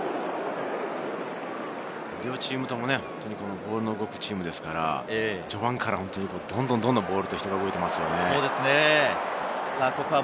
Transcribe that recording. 両チームとも、本当にボールの動くチームですから、序盤からどんどんボールと人が動いていますよね。